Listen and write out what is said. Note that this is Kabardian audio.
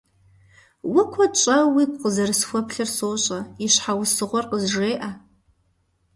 Уэ куэд щӏауэ уигу къызэрысхуэплъыр сощӏэ, и щхьэусыгъуэр къызжеӏэ.